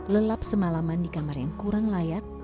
lelap semalaman di kamar yang kurang layak